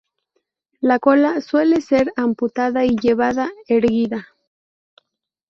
La cola suele ser amputada y llevada erguida.